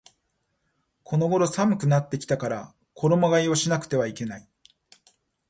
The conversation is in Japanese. この頃寒くなってきたから衣替えをしなくてはいけない